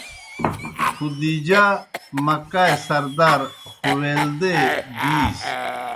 خدیجہؓ مکّہ اےْ سردار خُوَیلد اےْ دِی سیْ۔